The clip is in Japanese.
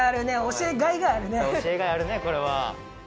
教えがいあるねこれは。